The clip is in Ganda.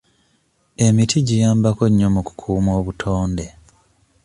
Emiti giyambako nnyo mu kukuuma obutonde.